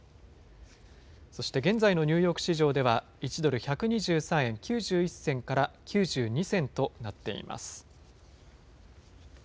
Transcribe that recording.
そして現在のニューヨーク市場では、１ドル１２３円９１銭から９２銭となっています。